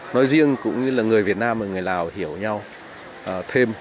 nói riêng cũng như là người việt nam và người lào hiểu nhau thêm